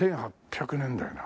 １８００年代だ。